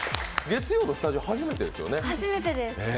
月曜のスタジオ、初めてですよね？